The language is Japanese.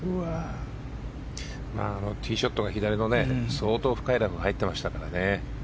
ティーショットが左の相当深いラフに入っていましたからね。